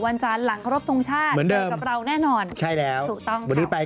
วันจานหลังครบตรงชาติเจอกับเราแน่นอนเหมือนเดิม